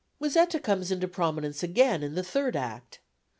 Musetta comes into prominence again in the third Act.